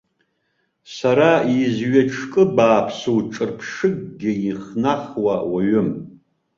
Сара изҩаҿкы-бааԥсу ҿырԥшыкгьы ихнахуа уаҩым.